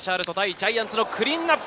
ジャイアンツのクリーンナップ。